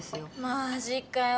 マジかよ